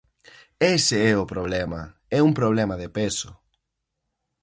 ¡Ese é o problema! É un problema de peso.